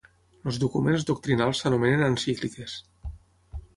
Els documents doctrinals s'anomenen Encícliques.